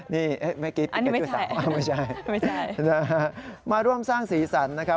นี่ไม่กินพิกาจูสามไม่ใช่มาร่วมสร้างสีสันนะครับ